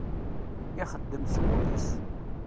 Ixeddem s wul-is.